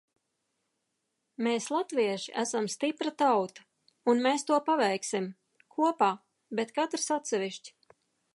Mēs, latvieši, esam stipra tauta! Un mēs to paveiksim! Kopā, bet katrs atsevišķi...